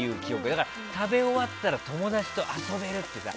だから、食べ終わったら友達と遊べるっていう。